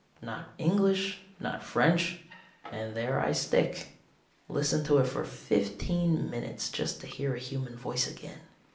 Not English, not French, and there I stick. Listened to it for fifteen minutes just to hear a human voice again.